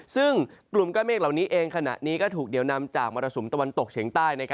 ซึ่งกลุ่มก้อนเมฆเหล่านี้เองขณะนี้ก็ถูกเหนียวนำจากมรสุมตะวันตกเฉียงใต้